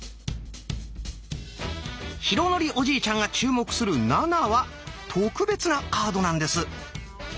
浩徳おじいちゃんが注目する「７」は特別なカードなんです！